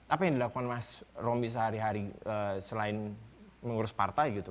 apa yang dilakukan mas romy sehari hari selain mengurus partai gitu